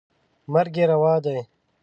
مرګ یې روا دی.